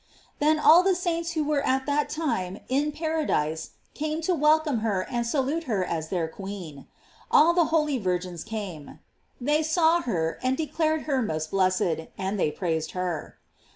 Then all the saints who were at that time in paradise came to welcome her and salute her as their queen. All the holy virgins came: They saw her, and declared her most blessed and they praised her.